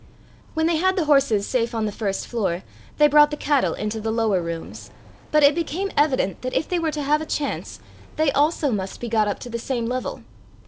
When they had the horses safe on the first floor, they brought the cattle into the lower rooms; but it became evident that if they were to have a chance, they also must be got up to the same level.